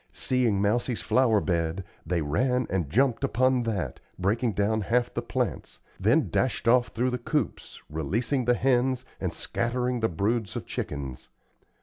Seeing Mousie's flower bed, they ran and jumped upon that, breaking down half the plants, then dashed off through the coops, releasing the hens, and scattering the broods of chickens.